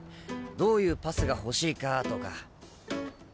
どういうパスが欲しいかとか。